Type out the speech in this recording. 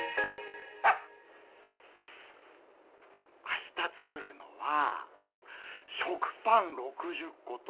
あした作るのは食パン６０こと